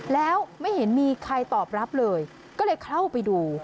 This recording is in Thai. แล้วไม่เห็นมีใครตอบรับเลยก็เลยเข้าไปดู